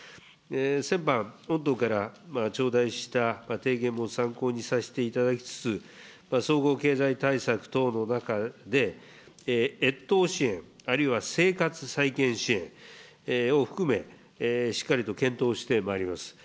先般、御党から頂戴した提言も参考にさせていただきつつ、総合経済対策等の中で、越冬支援、あるいは生活再建支援を含め、しっかりと検討してまいります。